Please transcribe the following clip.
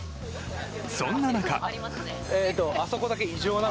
そんな中。